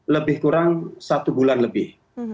lebih kurang satu bulan lebih